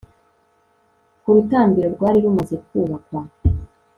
ku rutambiro rwari rumaze kubakwa